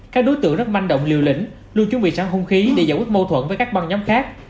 các đối tượng rất manh động liều lĩnh luôn chuẩn bị sẵn hung khí để giải quyết mâu thuẫn với các băng nhóm khác